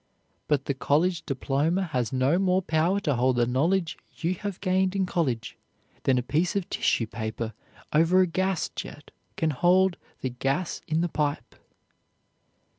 But the college diploma has no more power to hold the knowledge you have gained in college than a piece of tissue paper over a gas jet can hold the gas in the pipe.